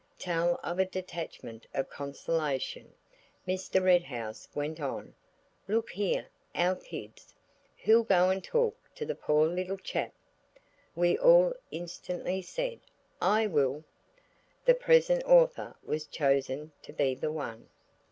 "Tell off a detachment of consolation," Mr. Red House went on; "look here, our kids–who'll go and talk to the poor little chap?" We all instantly said, "I will!" The present author was chosen to be the one.